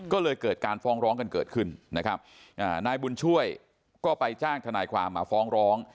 ก็เลยเกิดการฟ้องร้องกันเกิดขึ้นนะครับนายบุญช่วยก็ไปจ้างทนายความมาฟ้องร้อง